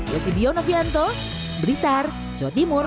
yosibio novianto blitar jawa timur